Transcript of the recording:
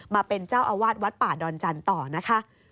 มาเป็นเจ้าอาวาสวัดป่าดอนจันทร์ต่อนะคะ